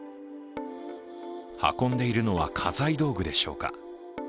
運んでいるのは家財道具でしょうか。